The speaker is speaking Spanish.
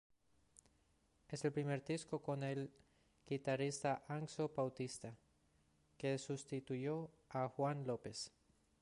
Es el primer disco con el guitarrista Anxo Bautista, que sustituyó a Juan López.